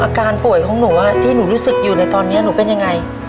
อาการป่วยของหนูที่หนูรู้สึกอยู่ในตอนนี้หนูเป็นยังไง